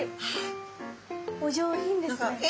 お上品ですね。